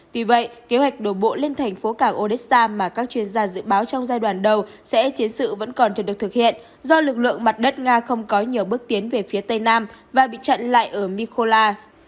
tuy vậy kế hoạch đổ bộ lên thành phố cảng odessa mà các chuyên gia dự báo trong giai đoạn đầu sẽ chiến sự vẫn còn chưa được thực hiện do lực lượng mặt đất nga không có nhiều bước tiến về phía tây nam và bị chặn lại ở mikola